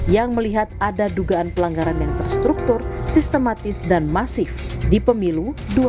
yang melihat ada dugaan pelanggaran yang terstruktur sistematis dan masif di pemilu dua ribu sembilan belas